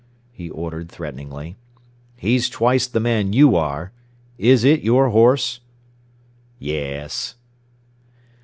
he ordered threateningly. "He's twice the man you are. Is it your horse?" "Yes."